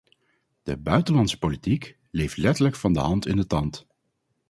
De buitenlandse politiek leeft letterlijk van de hand in de tand.